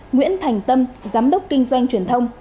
nguyễn thành tâm giám đốc kinh doanh truyền thông